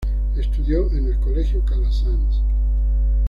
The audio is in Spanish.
Estudió en el Colegio Calasanz.